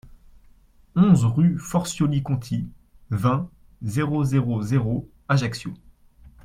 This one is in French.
onze rue Forcioli-Conti, vingt, zéro zéro zéro, Ajaccio